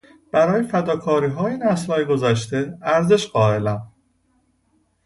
برای فداکاریهای نسلهای گذشته ارزش قایلم.